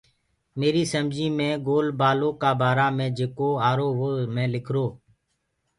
ميريٚ سمجيٚ مي گول بآلو بآرآ مي جو آرو وو مي لِکرو